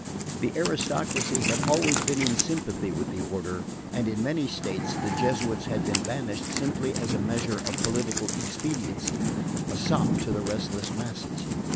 The aristocracy had always been in sympathy with the order, and in many states the Jesuits had been banished simply as a measure of political expediency, a sop to the restless masses.